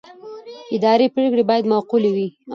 اداري پرېکړې باید معقولې وي.